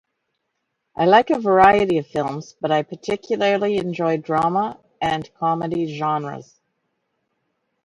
I like a variety of films, but I particularly enjoy drama and comedy genres.